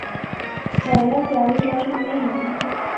ساحرہ تہاڑی لاغی نی ہونی